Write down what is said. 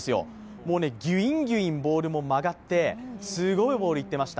もうね、ギュインギュインボールを曲がってすごいボールがいってました。